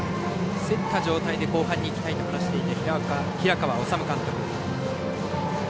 競った状態で後半にいきたいと話している平川敦監督。